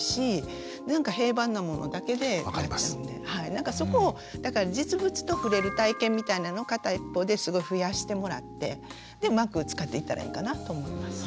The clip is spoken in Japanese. なんかそこをだから実物と触れる体験みたいなのを片一方ですごい増やしてもらってでうまく使っていったらいいかなと思います。